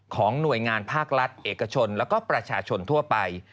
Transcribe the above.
ของหน่วยงานภาครัฐเอกชนแล้วก็ประชาชนทั่วไป